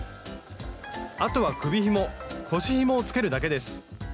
あとは首ひも腰ひもをつけるだけです。